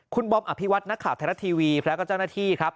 คุณบอมอภิวัตนักข่าวไทยรัฐทีวีแล้วก็เจ้าหน้าที่ครับ